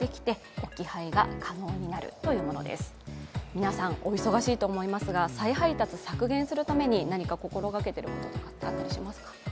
皆さんお忙しいと思いますが再配達を削減するために何か心がけていることってあったりしますか？